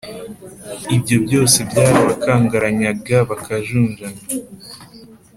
ibyo byose byarabakangaranyaga, bakajunjama.